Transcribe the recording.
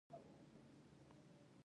ایا زه باید ماسک وتړم؟